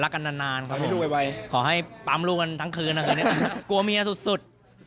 สุดท้ายไม่เกลียด